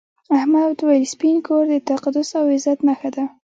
احمد وویل سپین کور د تقدس او عزت نښه ده.